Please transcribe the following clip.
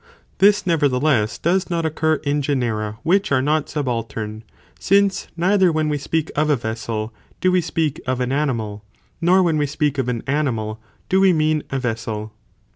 t DY: oo. This nevertheless does not occur in genera which bird is predi are not subaltern, since neither when we speak of Covet of ime, a vessel, do (we speak of) an animal, nor when #0. (we speak of) an animal, (do we mean) a vessel.